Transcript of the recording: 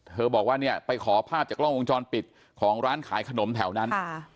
บอกว่าเนี่ยไปขอภาพจากกล้องวงจรปิดของร้านขายขนมแถวนั้น